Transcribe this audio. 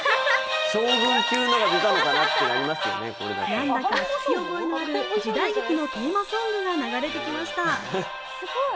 何だか聞き覚えのある時代劇のテーマソングが流れてきました。